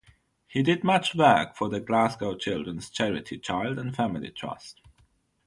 He did much work for the Glasgow children's charity Child and Family Trust.